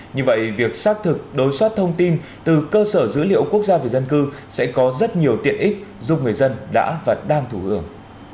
như vậy việc xác thực đối xoát thông tin từ cơ sở dữ liệu quốc gia về dân cư sẽ có rất nhiều tiện ích giúp người dân đã và đang thủ hưởng